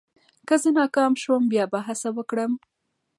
که زه ناکام شوم، بیا به هڅه وکړم.